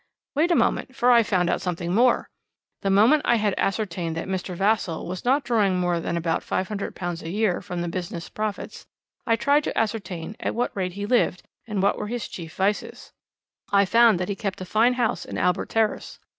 "Wait a moment, for I found out something more. The moment I had ascertained that Mr. Vassall was not drawing more than about £500 a year from the business profits I tried to ascertain at what rate he lived and what were his chief vices. I found that he kept a fine house in Albert Terrace.